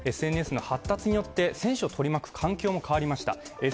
ＳＮＳの発達によって選手を取り巻く環境も変わりました。